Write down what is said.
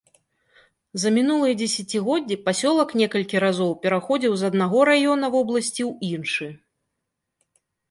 За мінулыя дзесяцігоддзі пасёлак некалькі разоў пераходзіў з аднаго раёна вобласці ў іншы.